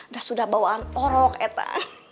dah sudah bawa orok eta